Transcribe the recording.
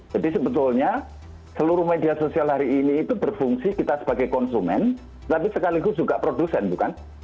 jadi sebetulnya seluruh media sosial hari ini itu berfungsi kita sebagai konsumen tapi sekaligus juga produsen bukan